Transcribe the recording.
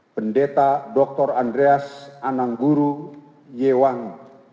tujuh pendeta dr andreas anangguru yewangi